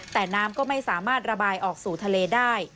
แต่น้ำก็ไม่สามารถระบายออกสู่ทะเลได้